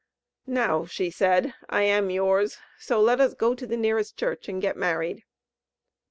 "Now," she said: "I am yours; so let us go to the nearest church and get married."